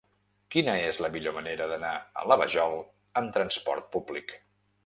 Quina és la millor manera d'anar a la Vajol amb trasport públic?